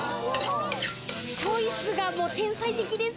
チョイスが天才的です。